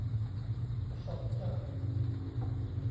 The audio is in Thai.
สดจ้ะ